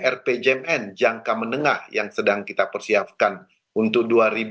rpjpn jangka menengah yang sedang kita persiapkan untuk